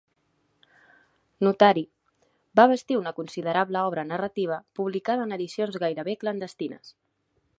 Notari, va bastir una considerable obra narrativa publicada en edicions gairebé clandestines.